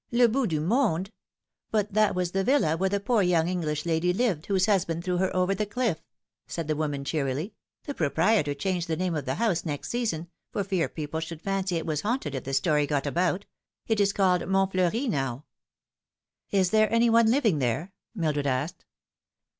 " Le Bout du Monde ? But that was the villa where the poor young English lady lived whose husband threw her over the cliff ," said the woman cheerily. " The proprietor changed the name of the house next season, for fear people should fancy 286 The Fatal Three. it was haunted if the story got about. It is called Montfleuri now." " Is there any one living there ?" Mildred asked.